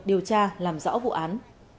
điều tra làm rõ vụ án